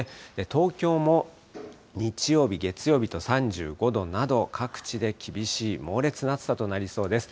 東京も日曜日、月曜日と３５度など、各地で厳しい猛烈な暑さとなりそうです。